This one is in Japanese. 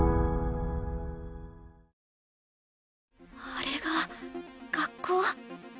あれが学校。